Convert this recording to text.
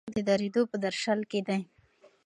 وخت د درېدو په درشل کې دی.